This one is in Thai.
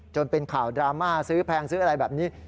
จนเป็นข่าวดราม่าซื้อแพงซื้ออะไรแบบนี้